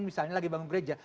misalnya lagi bangun gereja